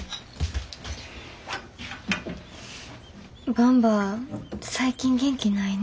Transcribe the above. ばんば最近元気ないなぁ。